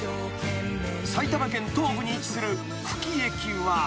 ［埼玉県東部に位置する久喜駅は］